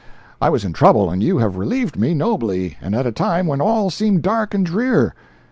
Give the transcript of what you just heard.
I was in trouble and you have relieved me nobly and at a time when all seemed dark and drear.